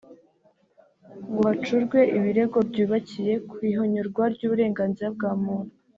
ngo hacurwe ibirego byubakiye ku ihonyorwa ry’uburenganzira bwa muntu